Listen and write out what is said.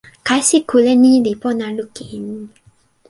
kasi kule ni li pona lukin.